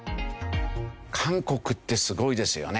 韓国ってすごいですよね。